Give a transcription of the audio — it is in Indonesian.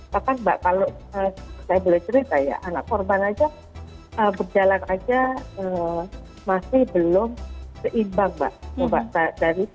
bahkan mbak kalau saya boleh cerita ya anak korban aja berjalan aja masih belum seimbang mbak